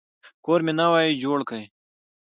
کور مي نوی جوړ کی.